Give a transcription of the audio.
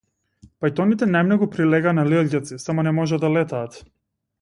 Пајтоните најмногу прилегаа на лилјаци, само не можеа да летаат.